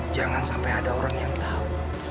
jangan sampai ada orang yang tahu